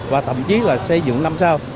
và thậm chí là xây dựng năm sao